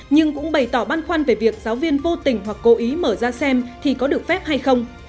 nhưng cũng bày tỏ băn khoăn về việc giáo viên vô tình hoặc cố ý mở ra xem thì có được phép hay không